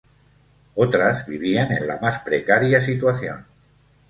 Otras, vivían en la más precaria situación.